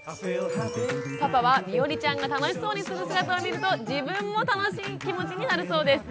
パパはみおりちゃんが楽しそうにする姿を見ると自分も楽しい気持ちになるそうです。